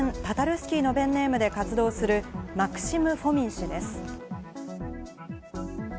スキーのペンネームで活動するマクシム・フォミン氏です。